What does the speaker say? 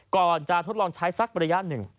ก่อนจะทดลองใช้สักระยะหนึ่ง